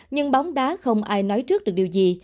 nhưng bóng đá không ai nói trước được điều gì